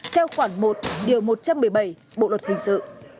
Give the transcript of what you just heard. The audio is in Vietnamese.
theo khoảng một một trăm một mươi bảy bộ luật hình sự